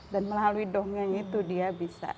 dan melalui dongeng itu dia bisa